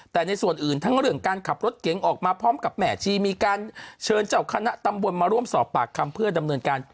แต่ในส่วนอื่นทั้งเรื่องการขับรถเก๋งออกมาพร้อมกับแม่ชีมีการเชิญเจ้าคณะตำบลมาร่วมสอบปากคำเพื่อดำเนินการ